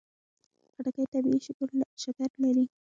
خټکی طبیعي شکر لري.